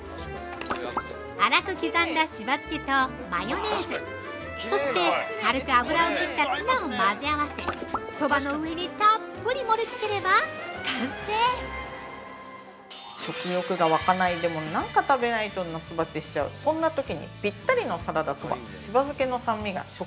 ◆粗く刻んだ柴漬けとマヨネーズ、そして軽く油を切ったツナを混ぜ合わせ、そばの上にたっぷり盛り付ければ完成食欲がわかない、でも、なんか食べたいな、夏ばてしちゃう、そんなときにぴったりのサラダそば。